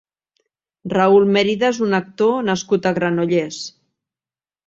Raúl Mérida és un actor nascut a Granollers.